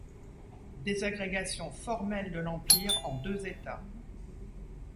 Désagrégation formelle de l'Empire en deux États.